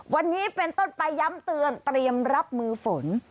วันนี้เป็นต้นไปย้ำเตือนเตรียมรับมือฝน